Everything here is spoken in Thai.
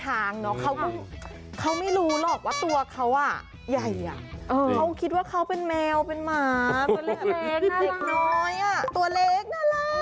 ตุ๊กกระดูกหลังก็แตกแล้วเดี๋ยวต้นคอจะเริ่มแล้ว